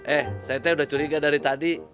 eh saya teh udah curiga dari tadi